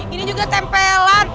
ini juga tempelan